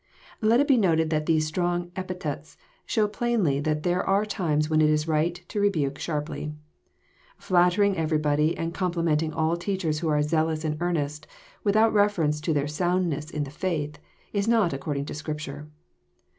Let it be noted that these strong epithets show plainly that there are times when it is right to rebuke sharply. Flattering everybody, and complimenting all teachers who are zealous and earnest, without reference to their soundness in the faith, is not according to Scripture.